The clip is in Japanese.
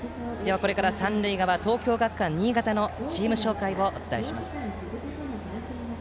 これから三塁側、東京学館新潟のチーム紹介をお伝えします。